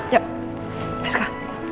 yuk lets go